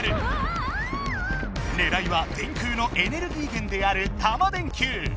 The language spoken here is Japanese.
ねらいは電空のエネルギー源であるタマ電Ｑ。